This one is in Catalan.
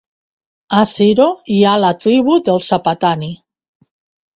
A Ziro hi ha la tribu dels Apatani.